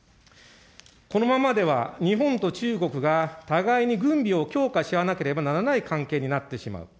このままでは日本と中国が互いに軍備を強化し合わなければならない関係になってしまう。